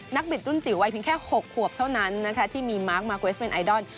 บิดรุ่นจิ๋ววัยเพียงแค่๖ขวบเท่านั้นนะคะที่มีมาร์คมาร์เกวสเป็นไอดอล